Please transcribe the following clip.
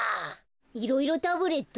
いろいろタブレット？